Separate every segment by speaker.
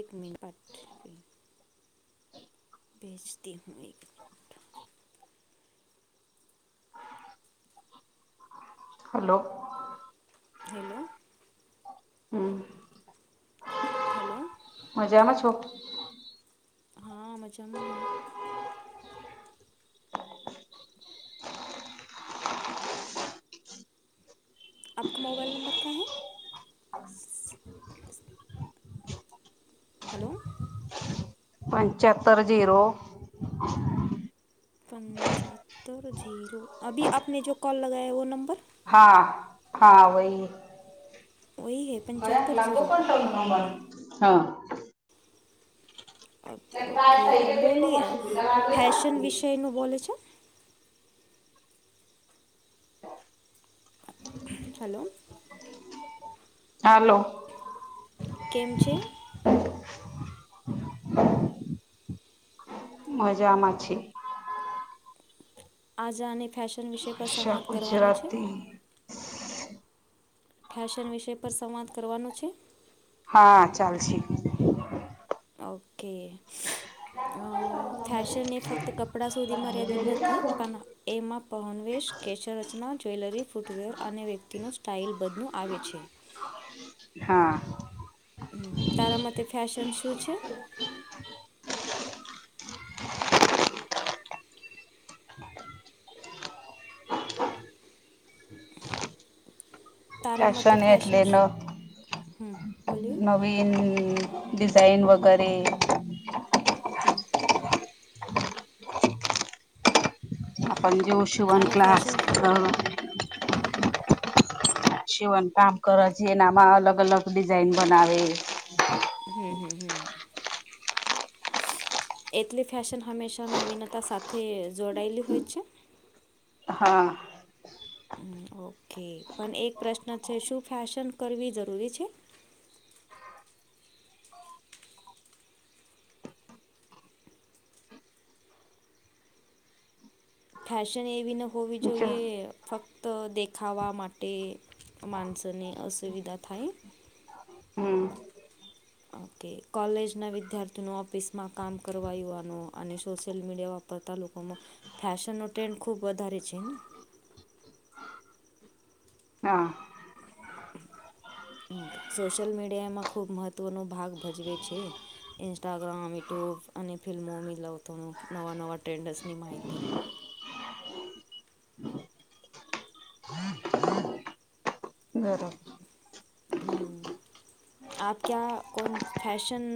Speaker 1: એક મેન પાટ છે. ભેજતી હું મે
Speaker 2: હેલો
Speaker 1: હેલો
Speaker 2: હમ્મ
Speaker 1: હેલો
Speaker 2: મજામાં છો?
Speaker 1: હા, મજામા હું. આપકા મોબાઈલ નંબર ક્યા હૈ? હલો
Speaker 2: પંચતર જીરો
Speaker 1: પંચહતર ઝીરો અભી આપને જો કોલ લગાયા વો નંબર
Speaker 2: હા હા વહી, ક
Speaker 1: પંચોતેર
Speaker 2: લાગો
Speaker 1: જીરો
Speaker 2: પણ હા
Speaker 1: અ ઓકે, બોલીએ
Speaker 2: હા
Speaker 1: ફેશન વિષયનું બોલે છો. હલો
Speaker 2: હાલો
Speaker 1: કેમ છે?
Speaker 2: મજામાં છે.
Speaker 1: આઝાને ફેશન વિષય પર
Speaker 2: ભાષા
Speaker 1: સંવાદ કરવાનો છે.
Speaker 2: ગુજરાતી
Speaker 1: ફેશન વિષય પર સંવાદ કરવાનો છે.
Speaker 2: હા ચાલ શે.
Speaker 1: ઓકે, ફેશન એ ફક્ત તો કપડાં સુધી મર્યાદિત નથી પણ એમાં પહનવેશ, કેશરચના, જ્વેલરી, ફૂટવેર અને વ્યક્તિનું સ્ટાઇલ બધું આવે છે.
Speaker 2: હા.
Speaker 1: હમ્મ તારામાટે ફશન શું છે? તારાામતી
Speaker 2: ફશન એટલે
Speaker 1: ફેશન
Speaker 2: ન
Speaker 1: હમ્મ બોલીએ
Speaker 2: વીન ડિઝાઇન વગેરે
Speaker 1: હમ્મ હમ્મ
Speaker 2: આ પણ જોષ
Speaker 1: અને ફેશન હમ્મ
Speaker 2: છેવન કામ કરવા છીએ ને આમાં અલગ અલગ ડિઝાઇન બનાવે.
Speaker 1: હમ્મ હમ્મ હમ્મ એટલી ફેશન હંમેશા નવીનતા સાથે જોડાયેલી હોય છે.
Speaker 2: હા.
Speaker 1: ઓકે, પણ એક પ્રશ્ન છે, શું ફેશન કરવી જરૂરી છે? ફેશન એવી ન હોવી
Speaker 2: જો
Speaker 1: જોઈએ ફક તો દેખાવા માટે માણસોને અસુવિધા થાય.
Speaker 2: હમ્મ
Speaker 1: ઓકે કોલેજના વિદ્યાર્થીના ઓફિસમાં કામ કરવા યુવાનો અને સોશિયલ મીડિયા પતા લોકોમાં, ફેશનનો ટ્રેન્ડ ખૂબ વધારે છેને.
Speaker 2: હા [inaudible]
Speaker 1: સોશિયલ મીડિયા એમાં ખૂબ મહત્ત્વનો ભાગ ભજવે છે. ઇન્સ્ટાગ્રામ, યુટ્યુબ અને ફિલ્મો મી લવતોનું નવા નવા ટ્રેન્ડર્સની માહિતી.
Speaker 2: બરા
Speaker 1: હમ
Speaker 2: [inaudible]
Speaker 1: આપ ક્યાં કોન ફેશન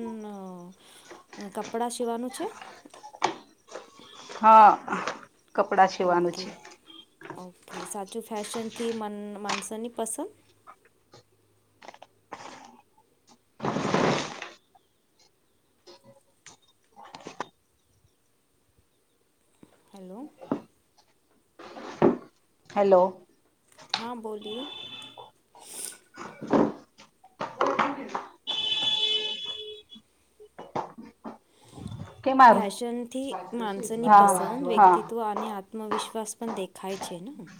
Speaker 1: કપડાં સીવાનું છે?
Speaker 2: હા કપડા સીવાનું
Speaker 1: ઓકે
Speaker 2: છે
Speaker 1: ઓકે સાચું ફેશનથી મન માનસોની પસંદ હેલો
Speaker 2: હેલો
Speaker 1: હા બોલીએ.
Speaker 2: કે મારું
Speaker 1: ફેશનથી માનસોની
Speaker 2: હા
Speaker 1: પસંદ,
Speaker 2: હા
Speaker 1: વ્યક્તિત્વ અને આત આત્મવિશ્વાસ પન દેખાય છે ન.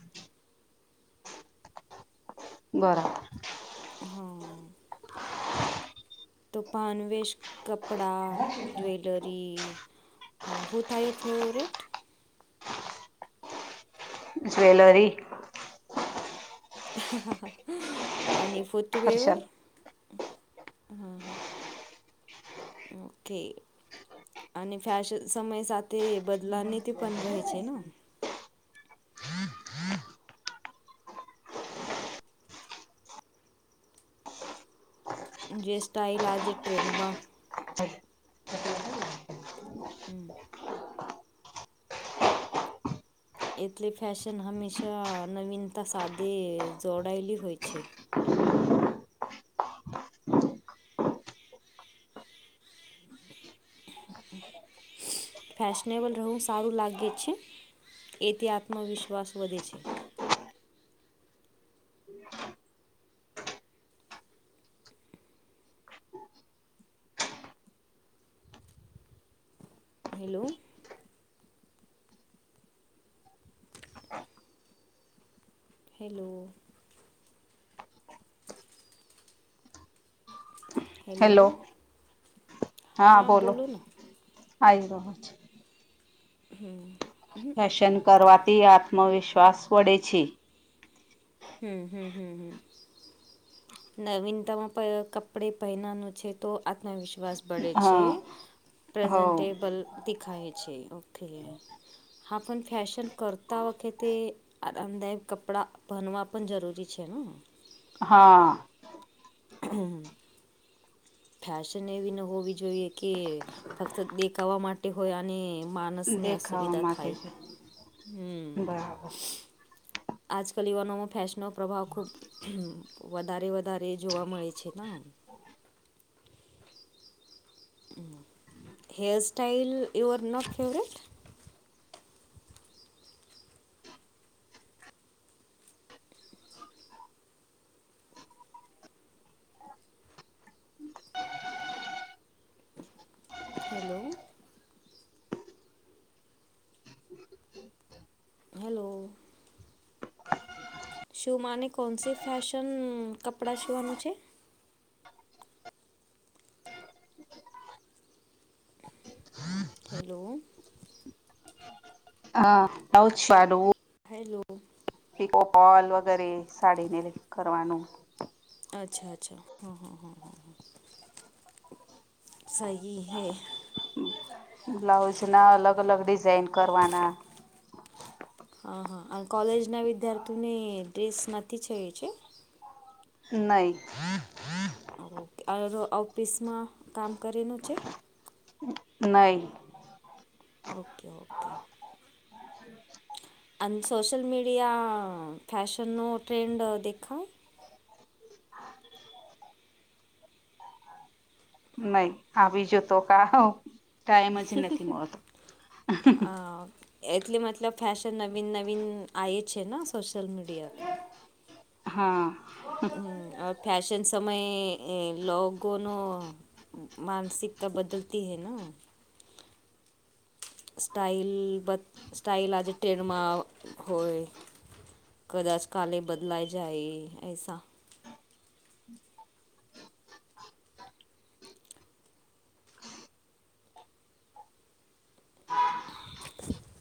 Speaker 2: બરાબ
Speaker 1: હહ તો પાન વેસ, કપડાં, જવેલરી અ હું થાયું ફેવરેટ?
Speaker 2: જ્વેલરી
Speaker 1: અને ફુથવેર?
Speaker 2: હર્ષદ
Speaker 1: અ હહ હહ ઓકે. અને ફેશન સમય સાથે બદલાની તે પન રહે છે ન? જે સ્ટાઈલ આજે ટ્રેન્ડમાં હમ. એટલે ફેશન હંમેશા નવીનતા સાધે જોડાયેલી હોય છે. [inaudible] ફેશનેબલ રહેવું સારું લાગે છે. એથી આત્મવિશ્વાસ વધે છે. હેલો હેલો હેલો
Speaker 2: હા બોલો આઈ રયો અવાજ.
Speaker 1: હમ
Speaker 2: ફેશન કરવાથી આત્મવિશ્વાસ વળે છે.
Speaker 1: હમ હમ હમ હમ
Speaker 2: [inaudible]
Speaker 1: નવીનતામાં પ કપડે પહેનાનું છે તો આત્મવિશ્વાસ બળે છે.
Speaker 2: હા હ
Speaker 1: પ્રેઝન્ટેબલ દેખાય છે ઓકે. હા પન ફેશન કરતા વખતે આરામદાયક કપડાં ભનવા પન જરૂરી છે ન?
Speaker 2: હા
Speaker 1: હમ હમ ફેશન એવી ન હોવી જોઈએ કે ફક્ત દેખાવા માટે હોય અને માનસને
Speaker 2: દેખાવા
Speaker 1: અસુવિધા
Speaker 2: માટે
Speaker 1: થાય.
Speaker 2: છે
Speaker 1: હમ
Speaker 2: બરાબર
Speaker 1: આજકલ યુવાનોમાં ફેશનનો પ્રભાવ ખૂબ વધારે વધારે જોવા મળે છે ન. હમ hairstyle you are not favourite? Hello hello શું માને કોનસી ફેશન કપડાં સીવાનું છે? હેલો
Speaker 2: હા બહુ જ સારું.
Speaker 1: હેલો
Speaker 2: પીકોપલ વગેરે સાડીને કરવાનું.
Speaker 1: અચ્છા અચ્છા હા હા હા હા હા. સહી હે.
Speaker 2: બ્લાઉઝ ના અલગ અલગ ડિઝાઇન કરવાના
Speaker 1: હા હા અને કોલેજના વિદ્યાર્થીઓને ડ્રેસ નથી થ એ છે.
Speaker 2: નહી.
Speaker 1: ઓકે ઓફિસમાં કામ કરેનું છે.
Speaker 2: નહી.
Speaker 1: Okay okay. અ સોશલ મીડિયા ફૅશનનો ટ્રેન્ડ દેખા
Speaker 2: નહી આવી જતો ક ટાઈમ જ નથી મળતો.
Speaker 1: અ એટલે મતલબ ફૅશન નવીન નવીન આ છે ને સોશલ મીડિયા.
Speaker 2: હા.
Speaker 1: હ ફશન સમય લોકોનો. માનસિકતા બદલતી હૈ ને. સ્ટાાઈલ બ સ્ટાઇલ આજે ટ્રેડમાં હોય. કદાચ કાલે બદલાઈ જાય એસા.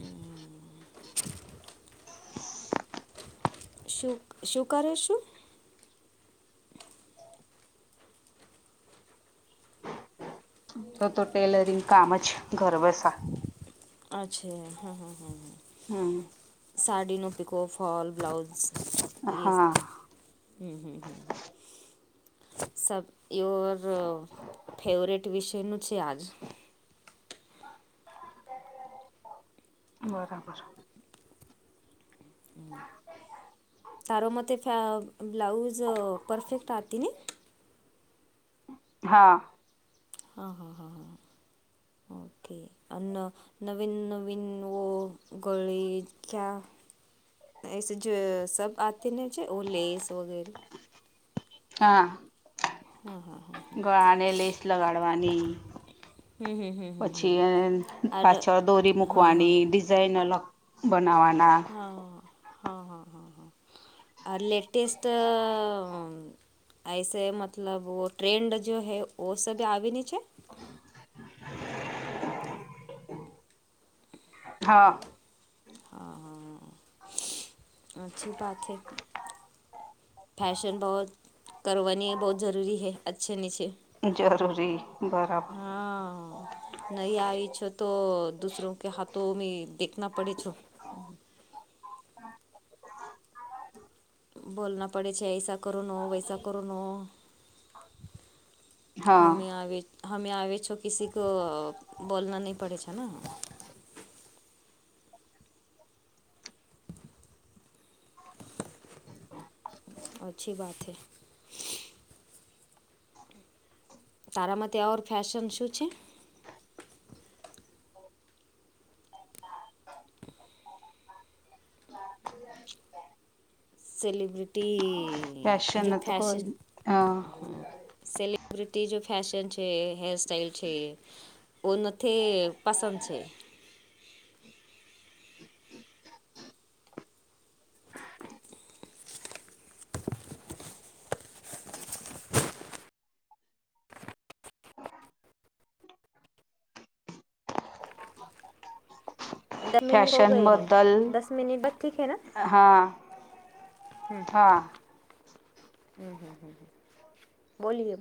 Speaker 1: હમ શું શું કર્યોશું.
Speaker 2: તો તો ટેલરિંગ કામ જ ગર્વશે.
Speaker 1: અચ્છા હા હા હા હા.
Speaker 2: હમ
Speaker 1: સાડી ન પકો ફોલ બ્લાઉઝ.
Speaker 2: હા
Speaker 1: હમ હમ હમ હમ. સબ યોર ફેવરેટ વિષયનું છે આજ.
Speaker 2: બરાબર.
Speaker 1: તારો મ ફ બ્લાઉઝ પરફેક્ટ આવતી ને.
Speaker 2: હા.
Speaker 1: હા હા હા હા ઓકે. અ નવીન નવીન નો ગળી કયા. એસે જે સબ આતી ને છે ઓ લેસ વગેરે.
Speaker 2: હા.
Speaker 1: હા હા હા.
Speaker 2: ગળાને લેસ લગાડવાની. પછી પાછળ દોરી મુકવાની ડિઝાઇન અલગ બનાવાના.
Speaker 1: હં હં હા હા હા આ લેટેસ્ટ એસે મતલબ ટ્રેન્ડ જો હૈ ઓ સબી આવે લી છે.
Speaker 2: હા.
Speaker 1: હા હા હ અચછી વાત હૈ. ફૅશન બહુ કરવની બહુ જરૂરી હૈ અચ્છે નીચે.
Speaker 2: જરૂરી બરાબર.
Speaker 1: હા. નહી આવીઈ છો તો દુસરો કે હાથો દેખના પડે છો. બોના પડે છે એસા કરો ના હો વૈસા કરો ના.
Speaker 2: હા
Speaker 1: હમે હમે આવે છો કસી કો બોલના નહીં પડે છે. અચ્છી બાત હૈ. તારામાં ત્યાં ઓર ફેશન શું છે? સેલિબ્રિટી
Speaker 2: ફેશન
Speaker 1: જો
Speaker 2: તો કોઈ
Speaker 1: ફેશન
Speaker 2: અ
Speaker 1: હા સેલિ કતિ જો ફેશન છે હેરસ્ટ્ટાઈલ છે. ઓ નથી પસંદ છે. દસ મિનિટ હો
Speaker 2: ફેશન
Speaker 1: ગય હૈ
Speaker 2: બદલ
Speaker 1: દસ મિનિટ બદ ઠીક હે ના.
Speaker 2: હા
Speaker 1: હ હમ
Speaker 2: હા
Speaker 1: હ હ હ બોલીએ.